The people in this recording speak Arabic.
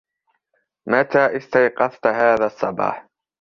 متى استيقظت هذا الصباح ؟